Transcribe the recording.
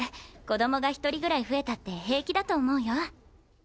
子供が１人ぐらい増えたって平気だと思うよ。